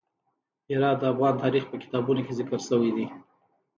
هرات د افغان تاریخ په کتابونو کې ذکر شوی دي.